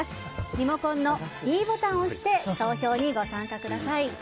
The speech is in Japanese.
リモコンのｄボタンを押して投票にご参加ください。